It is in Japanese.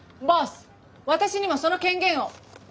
私にもその権限を。